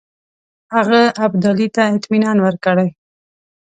هغه ابدالي ته اطمینان ورکړی.